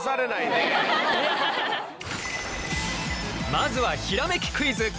まずはひらめきクイズ。